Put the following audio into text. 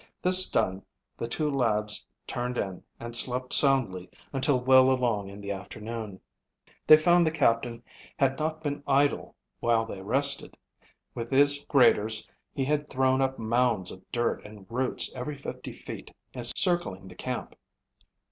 This done, the two lads turned in and slept soundly until well along in the afternoon. They found the Captain had not been idle while they rested. With his graders he had thrown up mounds of dirt and roots every fifty feet circling the camp.